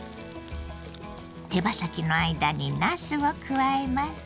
手羽先の間になすを加えます。